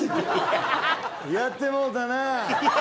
やってもうたな。